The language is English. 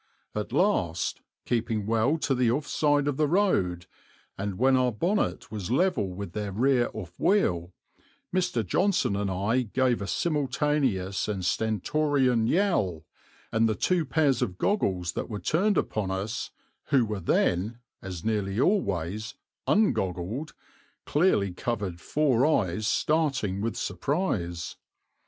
At last, keeping well to the off side of the road, and when our bonnet was level with their rear off wheel, Mr. Johnson and I gave a simultaneous and stentorian yell; and the two pairs of goggles that were turned upon us, who were then, as nearly always, un goggled, clearly covered four eyes starting with surprise.